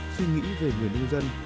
suy nghĩ về người nông dân